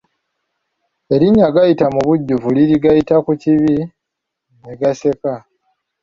Erinnya Gayita mubujjuvu liri Gayita ku kibi ne gaseka.